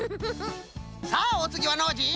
さあおつぎはノージー。